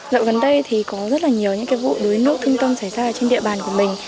dạo gần đây thì có rất là nhiều những cái vụ đuối nước thương tâm xảy ra trên địa bàn của mình